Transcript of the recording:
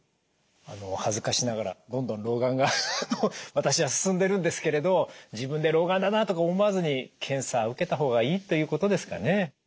あの恥ずかしながらどんどん老眼が私は進んでるんですけれど自分で老眼だなとか思わずに検査受けた方がいいということですかね？